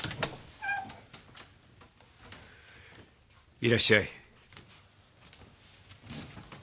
いらっしゃい。